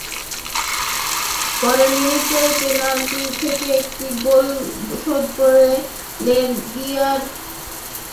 পরের মিনিটেই পেনাল্টি থেকে একটি গোল শোধ করেন লেগিয়ার মিরোস্লাভ রাদোভিচ।